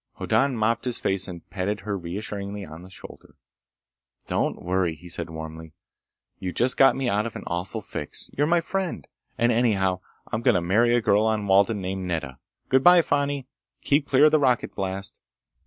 Hoddan mopped his face and patted her reassuringly on the shoulder. "Don't worry!" he said warmly. "You just got me out of an awful fix! You're my friend! And anyhow I'm going to marry a girl on Walden, named Nedda. Good by, Fani! Keep clear of the rocket blast."